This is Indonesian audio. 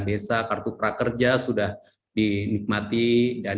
desa kartu prakerja sudah dinikmati